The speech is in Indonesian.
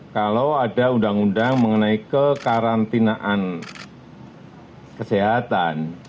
kalau ada undang undang mengenai kekarantinaan kesehatan